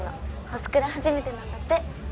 ホスクラ初めてなんだって。